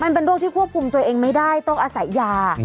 มันเป็นโรคที่ควบคุมตัวเองไม่ได้ต้องอาศัยยา